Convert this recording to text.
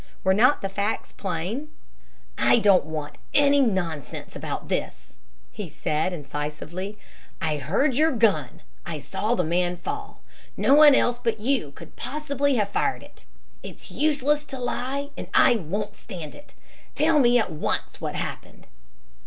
Were not the facts plain? "I don't want any nonsense about this," he said incisively. "I heard your gun. I saw the man fall. No one else but you could possibly have fired it. It's useless to lie, and I won't stand it. Tell me at once what happened."